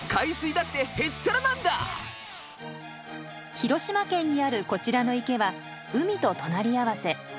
広島県にあるこちらの池は海と隣り合わせ。